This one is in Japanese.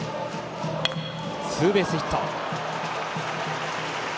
ツーベースヒット。